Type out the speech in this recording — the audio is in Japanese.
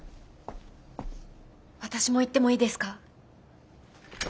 私も行ってもいいですか？